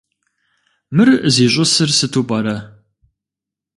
Мыр зищӀысыр сыту пӀэрэ?